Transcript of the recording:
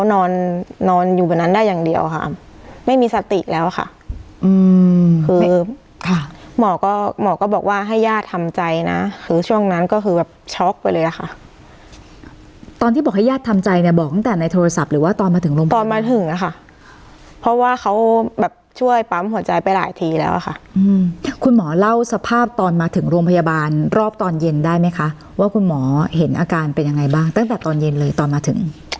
นอนอยู่บนนั้นได้อย่างเดียวค่ะไม่มีสติแล้วค่ะอืมคือค่ะหมอก็หมอก็บอกว่าให้ญาติทำใจน่ะคือช่วงนั้นก็คือแบบช็อกไปเลยอ่ะค่ะตอนที่บอกให้ญาติทำใจเนี้ยบอกตั้งแต่ในโทรศัพท์หรือว่าตอนมาถึงโรงพยาบาลตอนมาถึงอ่ะค่ะเพราะว่าเขาแบบช่วยปั๊มหัวใจไปหลายทีแล้วอ่ะค่ะอืมคุณหมอเล่